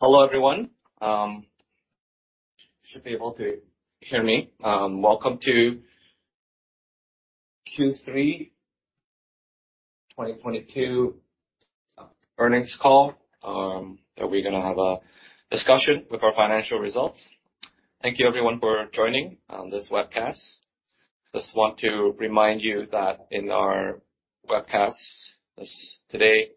Hello everyone. Should be able to hear me. Welcome to Q3 2022 earnings call that we're gonna have a discussion with our financial results. Thank you everyone for joining this webcast. Just want to remind you that in our webcasts this today,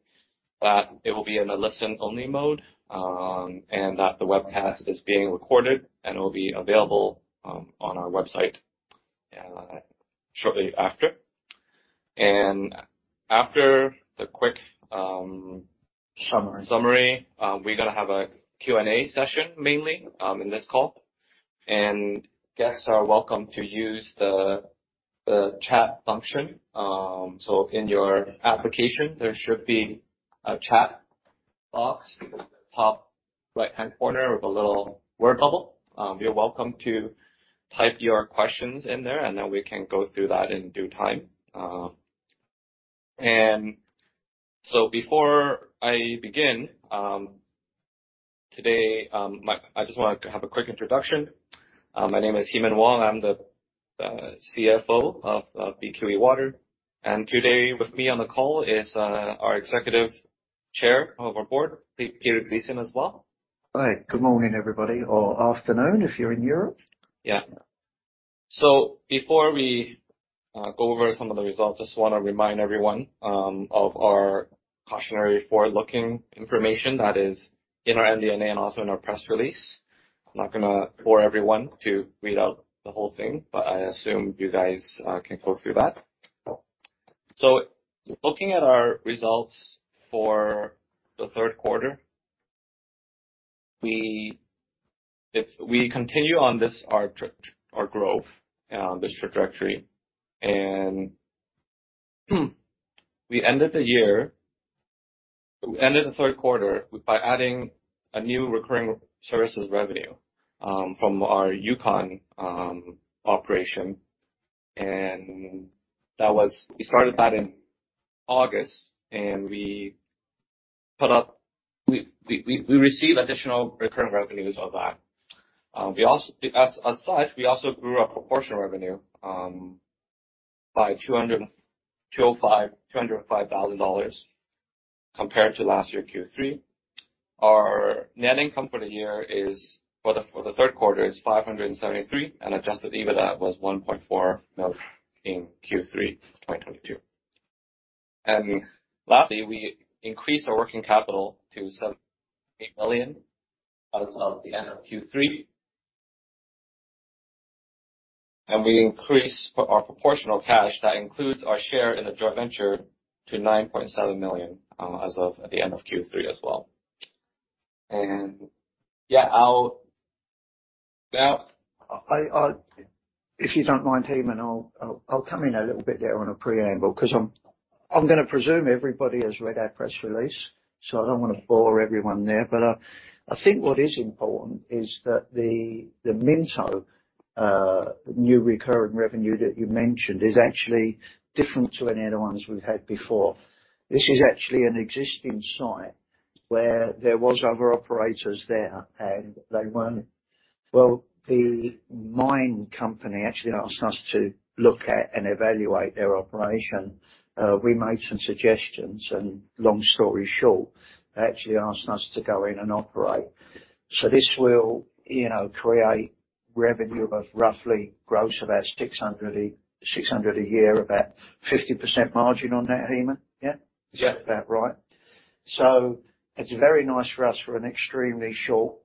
that it will be in a listen-only mode, and that the webcast is being recorded and it will be available on our website shortly after. After the quick- Summary summary, we're gonna have a Q&A session mainly in this call and guests are welcome to use the chat function. In your application, there should be a chat box at the top right-hand corner with a little word bubble. You're welcome to type your questions in there, and then we can go through that in due time. Before I begin today, I just wanted to have a quick introduction. My name is Heman Wong. I'm the CFO of BQE Water. Today with me on the call is our executive chair of our board, Peter Gleeson as well. Hi. Good morning, everybody, or afternoon if you're in Europe. Yeah. Before we go over some of the results, just want to remind everyone of our cautionary forward-looking information that is in our MD&A and also in our press release. I'm not gonna bore everyone to read out the whole thing, but I assume you guys can go through that. Looking at our results for the third quarter, if we continue on this, our growth, this trajectory, we ended the third quarter with by adding a new recurring services revenue from our Yukon operation. We started that in August, we received additional recurring revenues of that. As such, we also grew our proportional revenue by 200. 205,000 dollars compared to last year Q3. Our net income for the year is for the third quarter is 573, Adjusted EBITDA was 1.4 million in Q3 of 2022. Lastly, we increased our working capital to 7.8 million as of the end of Q3. We increased our proportional cash that includes our share in the joint venture to 9.7 million as of at the end of Q3 as well. I'll If you don't mind, Heman, I'll come in a little bit there on a preangle 'cause I'm gonna presume everybody has read our press release, so I don't wanna bore everyone there. I think what is important is that the Minto new recurring revenue that you mentioned is actually different to any other ones we've had before. This is actually an existing site where there was other operators there, and they weren't. Well, the mine company actually asked us to look at and evaluate their operation. We made some suggestions, and long story short, they actually asked us to go in and operate. This will, you know, create revenue of roughly gross about 600 a year, about 50% margin on that, Heman? Yeah? Yeah. Is that about right? It's very nice for us for an extremely short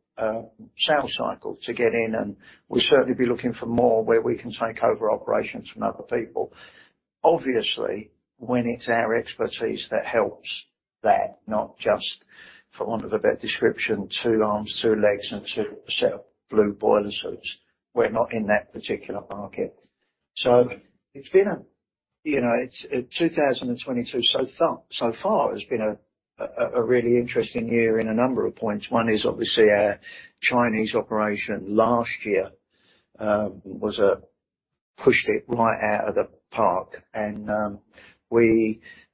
sales cycle to get in, and we'll certainly be looking for more where we can take over operations from other people. Obviously, when it's our expertise that helps that, not just, for want of a better description, two arms, two legs, and two set of blue boiler suits. We're not in that particular market. It's been a, you know, it's 2022 so far has been a really interesting year in a number of points. One is obviously our Chinese operation last year, was pushed it right out of the park.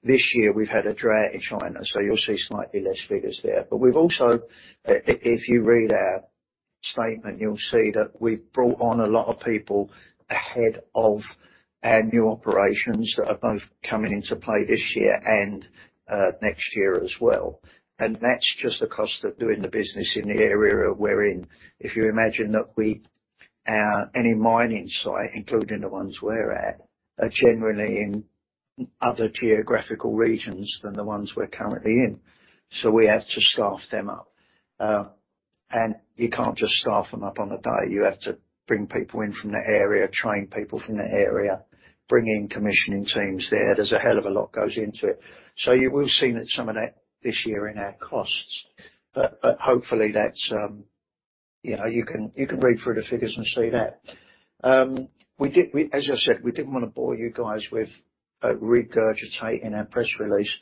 This year we've had a drought in China, so you'll see slightly less figures there. We've also, if you read our statement, you'll see that we've brought on a lot of people ahead of our new operations that are both coming into play this year and next year as well. That's just the cost of doing the business in the area we're in. If you imagine that any mining site, including the ones we're at, are generally in other geographical regions than the ones we're currently in. We have to staff them up. You can't just staff them up on the day. You have to bring people in from the area, train people from the area, bring in commissioning teams there. There's a hell of a lot goes into it. You will have seen that some of that this year in our costs. Hopefully that's. You know, you can read through the figures and see that. As I said, we didn't wanna bore you guys with regurgitating our press release.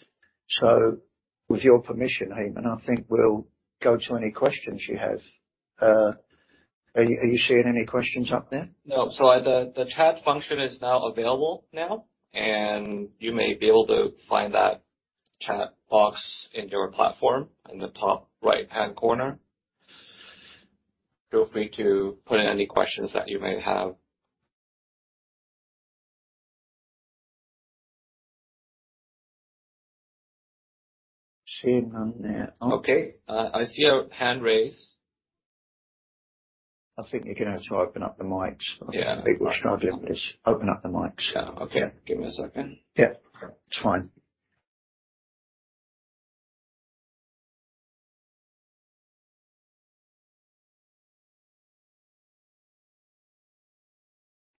With your permission, Heman, I think we'll go to any questions you have. Are you seeing any questions up there? No. The chat function is now available now, and you may be able to find that chat box in your platform in the top right-hand corner. Feel free to put in any questions that you may have. Seeing none there. Okay. I see a hand raised. I think you're gonna have to open up the mics. Yeah. People are struggling with this. Open up the mics. Yeah. Okay. Give me a second. Yeah. Okay. It's fine.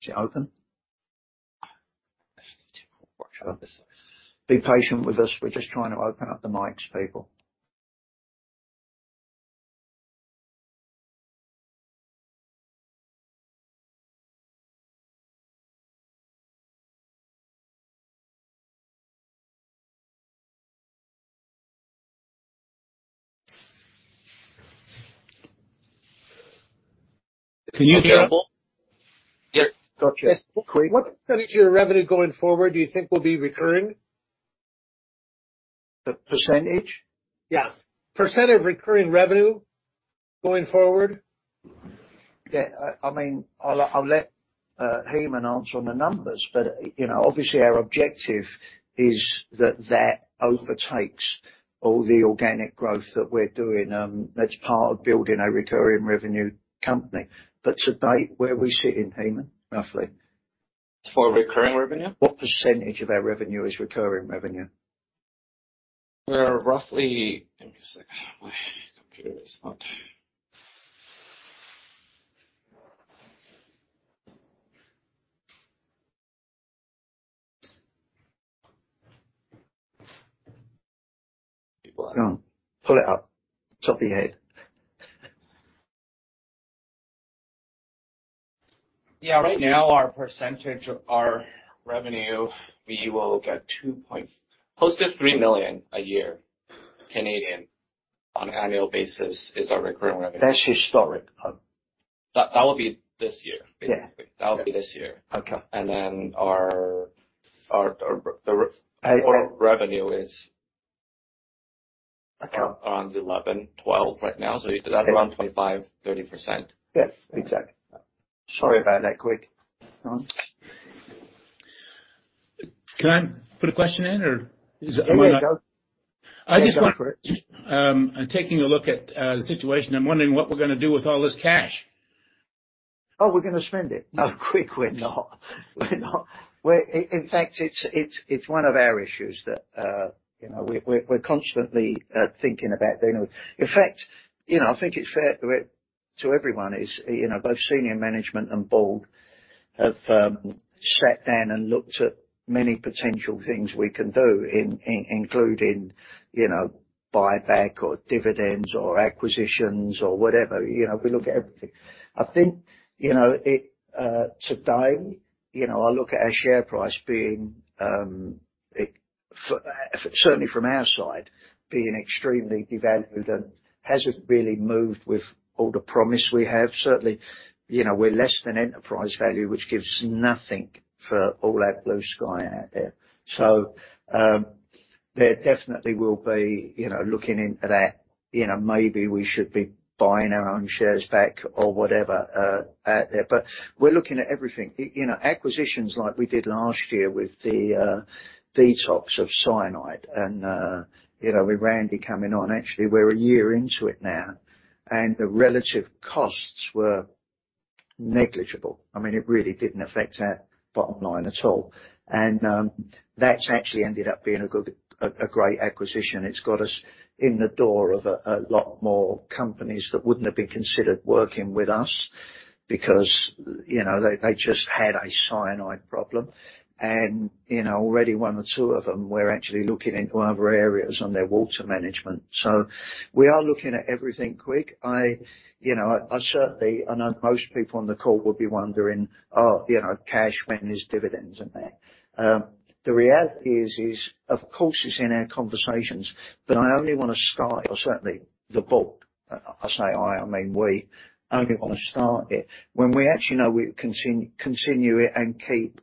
Is it open? Be patient with us. We're just trying to open up the mics, people. Can you hear me? Yep. Gotcha. Yes. [Quigg]. What percentage of your revenue going forward do you think will be recurring? The percentage? Yeah. Percent of recurring revenue going forward. Yeah. I mean, I'll let Heman answer on the numbers, but, you know, obviously our objective is that that overtakes all the organic growth that we're doing. That's part of building a recurring revenue company. To date, where are we sitting, Heman, roughly? For recurring revenue? What percentage of our revenue is recurring revenue? We're roughly... Give me a sec. My computer is not No, pull it up. Chop your head. Yeah. Right now, our percentage of our revenue, we will get Close to 3 million a year on annual basis is our recurring revenue. That's historic. That will be this year, basically. Yeah. That will be this year. Okay. our I- Total revenue Okay... around 11, 12 right now. That's around 25%-30%. Yeah. Exactly. Sorry about that, [Quigg]. Can I put a question in or is it? Am I not? Yeah, go. I just want- Go for it. Taking a look at the situation, I'm wondering what we're gonna do with all this cash. Oh, we're gonna spend it. No, [Quigg], we're not. In fact, it's one of our issues that, you know, we're constantly thinking about. You know, in fact, you know, I think it's fair to everyone is, you know, both senior management and board have sat down and looked at many potential things we can do, including, you know, buyback or dividends or acquisitions or whatever. You know, we look at everything. I think, you know, today, you know, I look at our share price being certainly from our side, being extremely devalued and hasn't really moved with all the promise we have. Certainly, you know, we're less than enterprise value, which gives nothing for all that blue sky out there. There definitely will be, you know, looking into that. You know, maybe we should be buying our own shares back or whatever out there. We're looking at everything. You know, acquisitions like we did last year with the detox of cyanide and, you know, with Randy coming on. Actually, we're a year into it now, and the relative costs were negligible. I mean, it really didn't affect our bottom line at all. That's actually ended up being a great acquisition. It's got us in the door of a lot more companies that wouldn't have been considered working with us because, you know, they just had a cyanide problem. And, you know, already one or two of them, we're actually looking into other areas on their water management. We are looking at everything, [Quigg]. I, you know, I certainly... I know most people on the call will be wondering, you know, cash, when is dividends and that? The reality is of course it's in our conversations, but I only wanna start or certainly the board, I mean we only wanna start it when we actually know we continue it and keep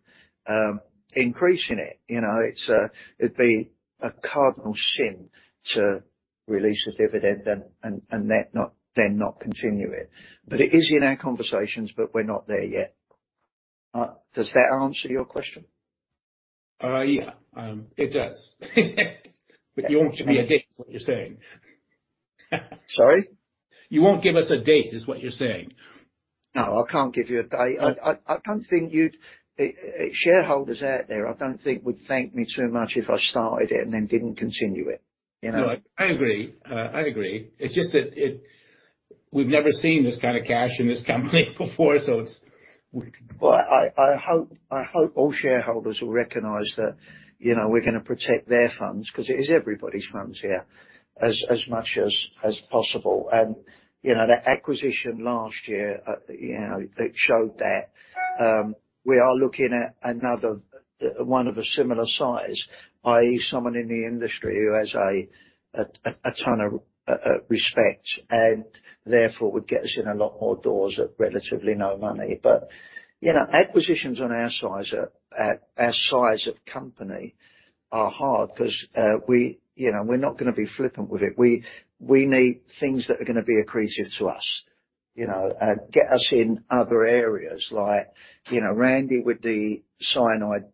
increasing it, you know? It's it'd be a cardinal sin to release a dividend and then not continue it. It is in our conversations, but we're not there yet. Does that answer your question? Yeah, it does. You won't give me a date is what you're saying. Sorry? You won't give us a date, is what you're saying? No, I can't give you a date. Shareholders out there, I don't think would thank me too much if I started it and then didn't continue it, you know? No, I agree. I agree. It's just that We've never seen this kind of cash in this company before. Well, I hope all shareholders will recognize that, you know, we're gonna protect their funds, 'cause it is everybody's funds here, as much as possible. You know, the acquisition last year, you know, it showed that. We are looking at another one of a similar size, i.e., someone in the industry who has a ton of respect and therefore would get us in a lot more doors at relatively no money. You know, acquisitions at our size of company are hard 'cause, we, you know, we're not gonna be flippant with it. We need things that are gonna be accretive to us, you know, get us in other areas like, you know, Randy with the Cyanide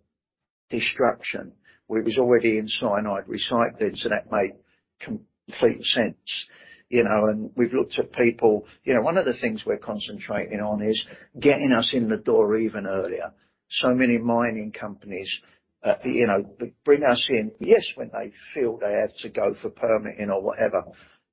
Destruction where he was already in Cyanide Recycling, so that made complete sense, you know. We've looked at people. You know, one of the things we're concentrating on is getting us in the door even earlier. Many mining companies, you know, bring us in, yes, when they feel they have to go for permitting or whatever,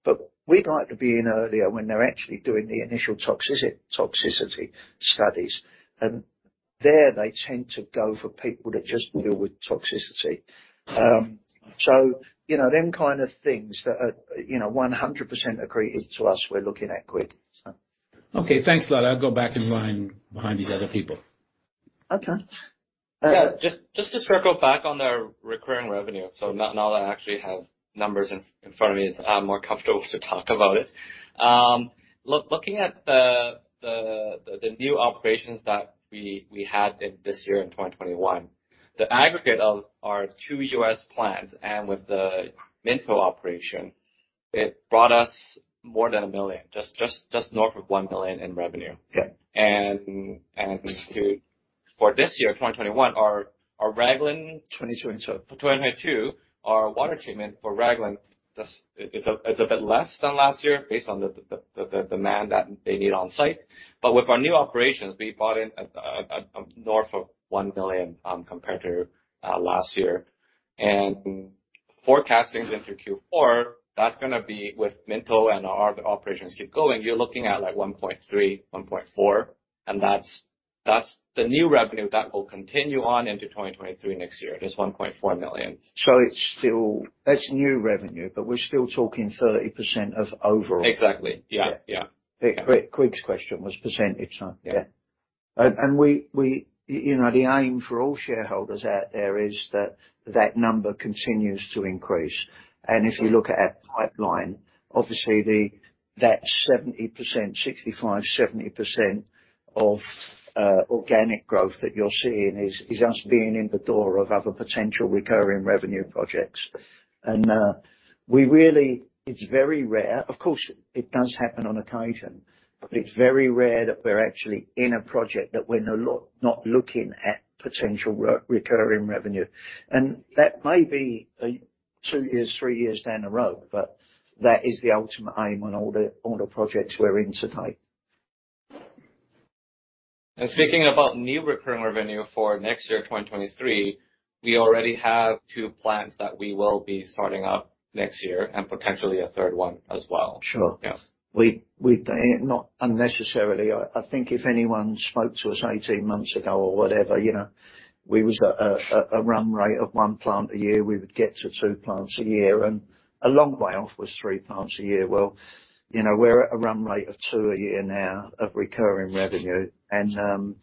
but we'd like to be in earlier when they're actually doing the initial toxicity studies. There, they tend to go for people that just deal with toxicity. You know, them kind of things that are, you know, 100% accretive to us, we're looking at [Quigg] so. Okay, thanks a lot. I'll go back in line behind these other people. Okay. Just to circle back on the recurring revenue. Now that I actually have numbers in front of me, it's more comfortable to talk about it. Looking at the new operations that we had in this year in 2021, the aggregate of our two U.S. plants and with the Minto operation, it brought us more than 1 million. Just north of 1 million in revenue. Yeah. For this year, 2021, our Raglan- 2022. 2022, our water treatment for Raglan, it's a bit less than last year based on the demand that they need on site. With our new operations, we brought in a north of 1 million compared to last year. Forecasting into Q4, that's gonna be with Minto and our other operations keep going, you're looking at like 1.3 million, 1.4 million, and that's the new revenue that will continue on into 2023 next year, this 1.4 million. It's still. That's new revenue, but we're still talking 30% of overall. Exactly. Yeah. Yeah. Yeah. [Quigg]'s question was percentage, so yeah. You know, the aim for all shareholders out there is that that number continues to increase. If you look at our pipeline, obviously that 70%, 65%, 70% of organic growth that you're seeing is us being in the door of other potential recurring revenue projects. We really. It's very rare. Of course, it does happen on occasion, but it's very rare that we're actually in a project that we're not looking at potential re-recurring revenue. That may be two years, three years down the road, but that is the ultimate aim on all the projects we're in today. Speaking about new recurring revenue for next year, 2023, we already have two plants that we will be starting up next year and potentially a third one as well. Sure. Yeah. We, not unnecessarily. I think if anyone spoke to us 18 months ago or whatever, you know, we was at a run rate of 1 plant a year. We would get to 2 plants a year and a long way off was 3 plants a year. Well, you know, we're at a run rate of 2 a year now of recurring revenue and,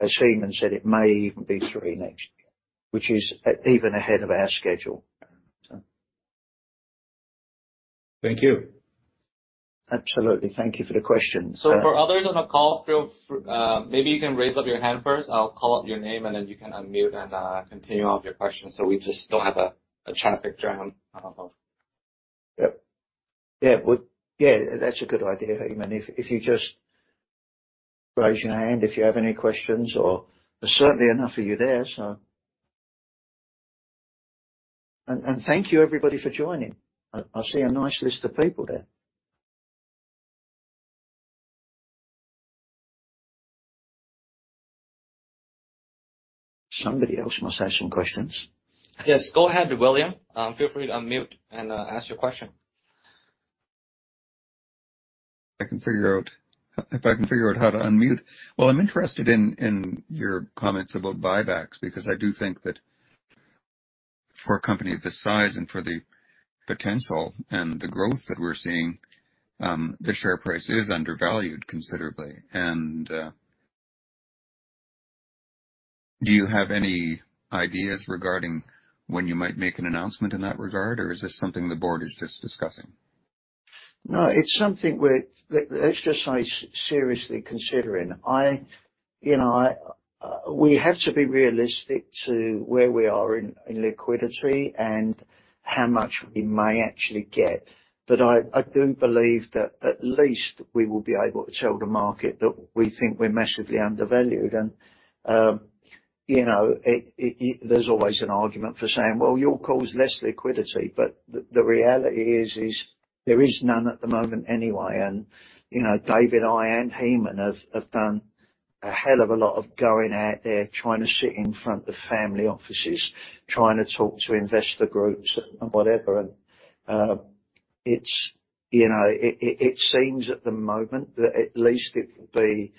as Heman said, it may even be 3 next year, which is even ahead of our schedule so. Thank you. Absolutely. Thank you for the question. For others on the call, feel free... Maybe you can raise up your hand first. I'll call out your name, and then you can unmute and continue on with your question, so we just don't have a traffic jam. Yep. Yeah, well, yeah, that's a good idea, Heman. If you just raise your hand if you have any questions or there's certainly enough of you there, so. Thank you everybody for joining. I see a nice list of people there. Somebody else must have some questions. Yes. Go ahead, William. Feel free to unmute and ask your question. If I can figure out how to unmute. Well, I'm interested in your comments about buybacks because I do think that for a company of this size and for the potential and the growth that we're seeing, the share price is undervalued considerably. Do you have any ideas regarding when you might make an announcement in that regard, or is this something the board is just discussing? No, it's something. Let's just say seriously considering. I, you know, I, we have to be realistic to where we are in liquidity and how much we may actually get. I do believe that at least we will be able to tell the market that we think we're massively undervalued. you know, it, there's always an argument for saying, "Well, you'll cause less liquidity." The reality is there is none at the moment anyway. you know, David, I, and Heman have done a hell of a lot of going out there, trying to sit in front of family offices, trying to talk to investor groups and whatever. It's, you know, it seems at the moment that at least it will be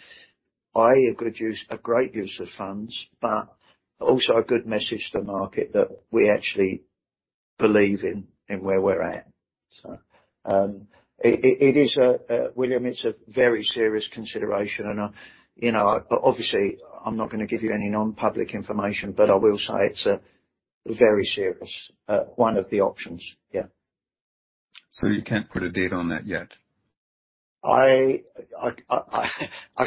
a good use, a great use of funds, but also a good message to market that we actually believe in where we're at. It is, William, a very serious consideration, and I, you know, obviously, I'm not gonna give you any non-public information, but I will say it's a very serious one of the options. Yeah. You can't put a date on that yet? I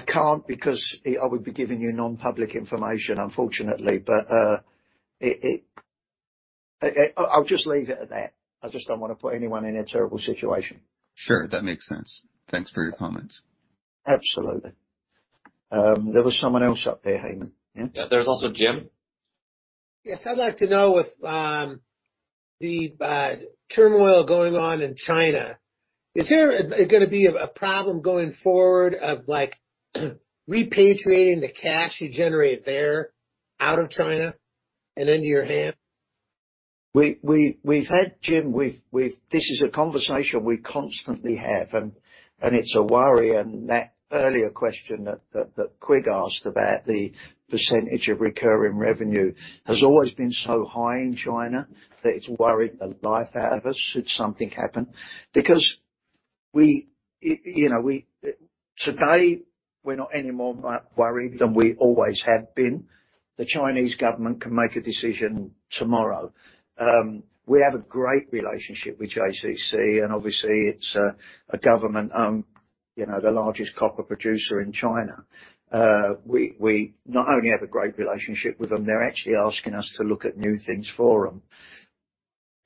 can't because I would be giving you non-public information, unfortunately. I'll just leave it at that. I just don't wanna put anyone in a terrible situation. Sure. That makes sense. Thanks for your comments. Absolutely. There was someone else up there, Heman. Yeah. Yeah. There's also Jim. Yes. I'd like to know if, the, turmoil going on in China, is there gonna be a problem going forward of like repatriating the cash you generate there out of China and into your hand? We've had, Jim, we've. This is a conversation we constantly have, and it's a worry. That earlier question that [Quigg] asked about the percentage of recurring revenue has always been so high in China that it's worried the life out of us should something happen. Because we, you know, we, today, we're not any more worried than we always have been. The Chinese government can make a decision tomorrow. We have a great relationship with JCC, and obviously it's a government-owned, you know, the largest copper producer in China. We not only have a great relationship with them, they're actually asking us to look at new things for them.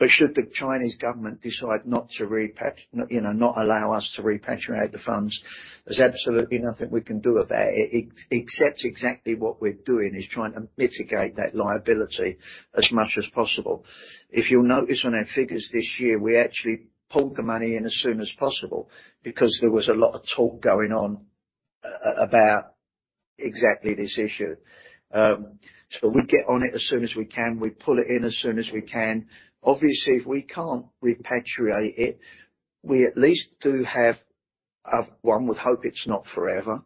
Should the Chinese government decide not to repatriate, you know, not allow us to repatriate the funds, there's absolutely nothing we can do about it except exactly what we're doing, is trying to mitigate that liability as much as possible. If you'll notice on our figures this year, we actually pulled the money in as soon as possible because there was a lot of talk going on about exactly this issue. We get on it as soon as we can. We pull it in as soon as we can. Obviously, if we can't repatriate it, we at least do have, one would hope it's not forever,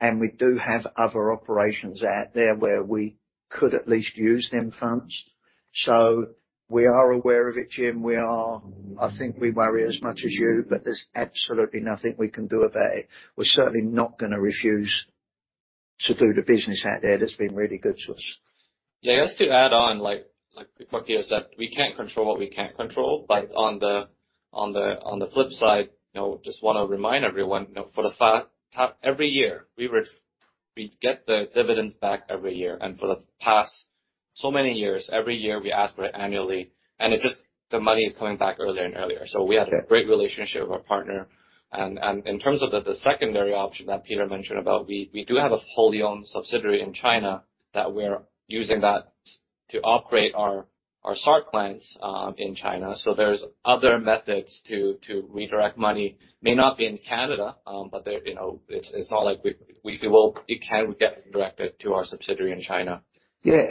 and we do have other operations out there where we could at least use them funds. We are aware of it, Jim. We are. I think we worry as much as you, but there's absolutely nothing we can do about it. We're certainly not gonna refuse to do the business out there that's been really good to us. Yeah. Just to add on, like [Quigg] pointed out, is that we can't control what we can't control. On the flip side, you know, just wanna remind everyone, you know, for the every year, we get the dividends back every year. For the past so many years, every year we ask for it annually, and it's just the money is coming back earlier and earlier. Yeah. We have a great relationship with our partner. In terms of the secondary option that Peter mentioned about, we do have a wholly owned subsidiary in China that we're using that to operate our SART plants in China. There's other methods to redirect money. May not be in Canada, but, you know, it's not like we... It can get redirected to our subsidiary in China. Yeah.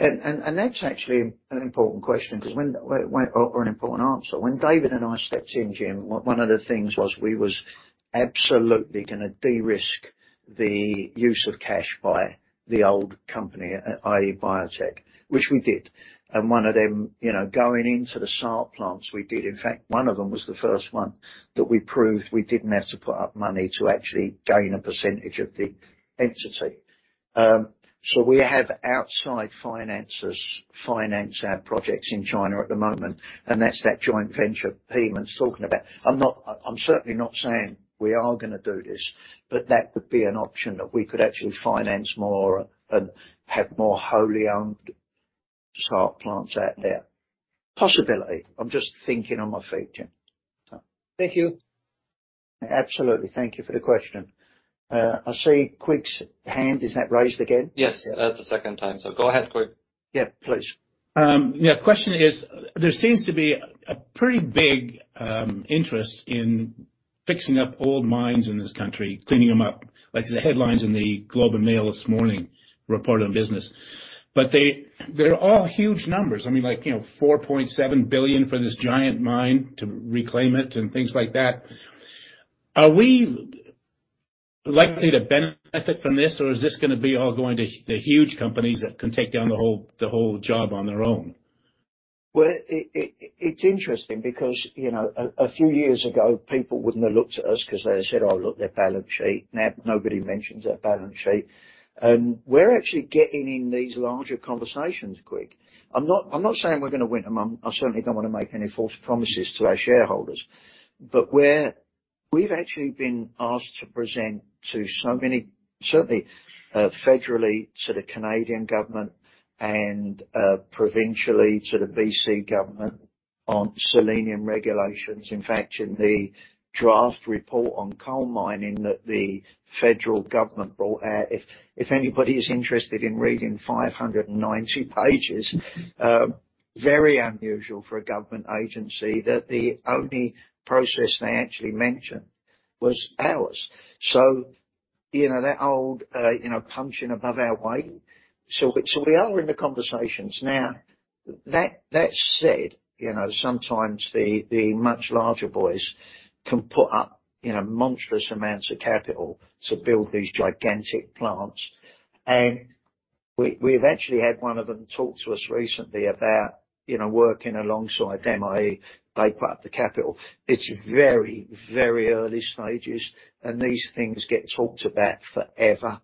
That's actually an important question 'cause. Or an important answer. When David and I stepped in, Jim, one of the things was we was absolutely gonna de-risk the use of cash by the old company, i.e. BioteQ, which we did. One of them, you know, going into the SART plants, we did. In fact one of them was the first 1 that we proved we didn't have to put up money to actually gain a percentage of the entity. We have outside financers finance our projects in China at the moment, and that's that joint venture payment it's talking about. I'm certainly not saying we are gonna do this, but that would be an option that we could actually finance more and have more wholly owned SART plants out there. Possibility. I'm just thinking on my feet, Jim. So. Thank you. Absolutely. Thank you for the question. I see [Quigg]'s hand. Is that raised again? Yes. Yeah. That's the second time, so go ahead, [Quigg]. Yeah, please. Yeah, question is, there seems to be a pretty big interest in fixing up old mines in this country, cleaning them up. Like the headlines in The Globe and Mail this morning reported on business. They're all huge numbers. I mean, like, you know, 4.7 billion for this giant mine to reclaim it and things like that. Are we likely to benefit from this, or is this gonna be all going to the huge companies that can take down the whole, the whole job on their own? Well, it's interesting because, you know, a few years ago, people wouldn't have looked at us 'cause they said, "Oh, look, their balance sheet." Now nobody mentions our balance sheet. We're actually getting in these larger conversations, [Quigg]. I'm not saying we're gonna win them. I certainly don't wanna make any false promises to our shareholders. We've actually been asked to present to so many, certainly, federally to the Canadian government and provincially to the B.C. government on selenium regulations. In fact, in the draft report on coal mining that the federal government brought out, if anybody is interested in reading 590 pages, very unusual for a government agency that the only process they actually mentioned was ours. You know, that old, you know, punching above our weight. We are in the conversations. Now, that said, you know, sometimes the much larger boys can put up, you know, monstrous amounts of capital to build these gigantic plants. We eventually had one of them talk to us recently about, you know, working alongside them, i.e., they put up the capital. It's very, very early stages, and these things get talked about forever.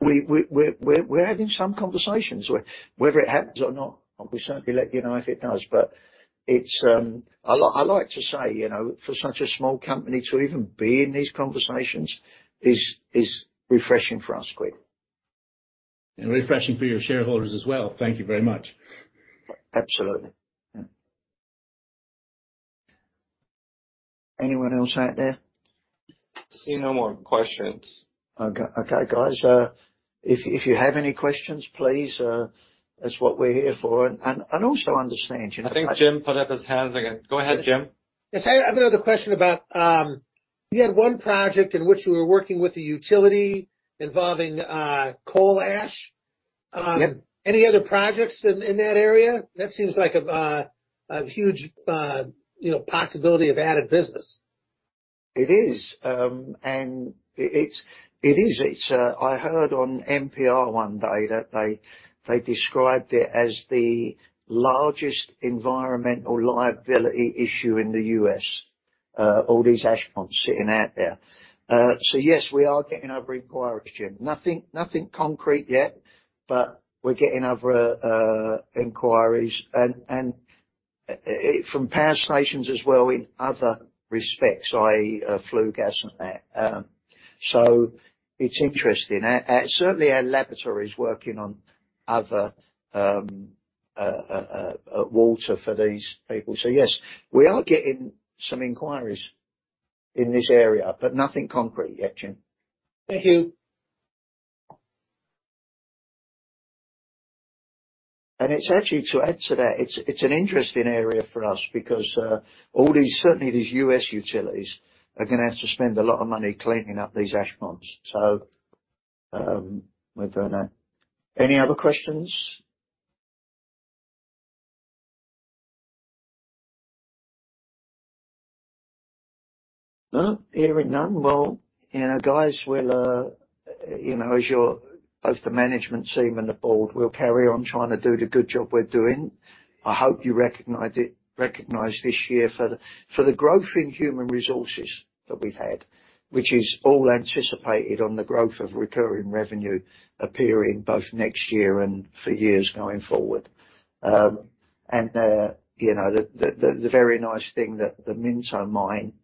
We're having some conversations. Whether it happens or not, we'll certainly let you know if it does. It's I'd like to say, you know, for such a small company to even be in these conversations is refreshing for us, [Quigg]. Refreshing for your shareholders as well. Thank you very much. Absolutely. Yeah. Anyone else out there? I see no more questions. Okay, guys. If you have any questions, please, that's what we're here for. Also understand, you know. I think Jim put up his hand again. Go ahead, Jim. Yes. I have another question about, you had one project in which you were working with a utility involving coal ash. Yeah. Any other projects in that area? That seems like a huge, you know, possibility of added business. It is. I heard on NPR one day that they described it as the largest environmental liability issue in the U.S. All these ash ponds sitting out there. We are getting other inquiries, Jim. Nothing concrete yet, but we're getting other inquiries and from power stations as well in other respects, i.e., flue gas and that. It's interesting. Certainly our laboratory is working on other water for these people. We are getting some inquiries in this area, but nothing concrete yet, Jim. Thank you. It's actually, to add to that, it's an interesting area for us because certainly these U.S. utilities are gonna have to spend a lot of money cleaning up these ash ponds. We're doing that. Any other questions? No? Hearing none. Well, you know, guys, we'll, you know, as both the management team and the board, we'll carry on trying to do the good job we're doing. I hope you recognize this year for the growth in human resources that we've had, which is all anticipated on the growth of recurring revenue appearing both next year and for years going forward. You know, the very nice thing that the Minto mine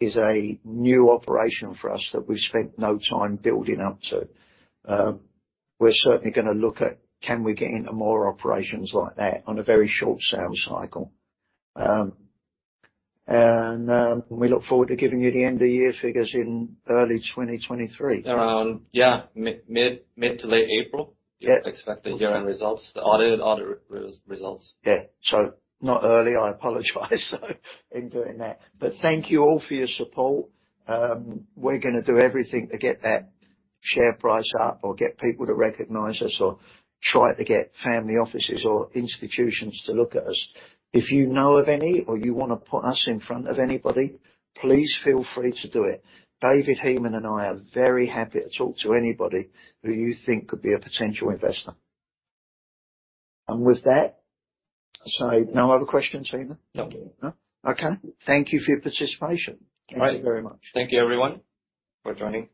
is a new operation for us that we've spent no time building up to. We're certainly gonna look at can we get into more operations like that on a very short sales cycle. We look forward to giving you the end of year figures in early 2023. Around, yeah, mid to late April. Yeah. You can expect the year-end results, the audit results. Yeah. Not early, I apologize in doing that. Thank you all for your support. We're gonna do everything to get that share price up or get people to recognize us or try to get family offices or institutions to look at us. If you know of any or you wanna put us in front of anybody, please feel free to do it. David, Heman, and I are very happy to talk to anybody who you think could be a potential investor. With that... No other questions, Heman? No. No. Okay. Thank you for your participation. All right. Thank you very much. Thank you, everyone, for joining.